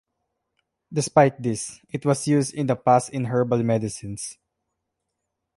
Despite this, it was used in the past in herbal medicines.